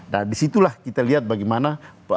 nah disitulah kita lihat bagaimana